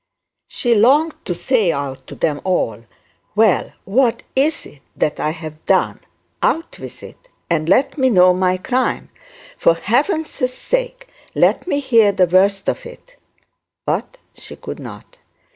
She longed to say out to them all, 'Well, what is it that I have done; out with it; and let me know my crime; for heaven's sake let me hear the worst of it;' but she could not.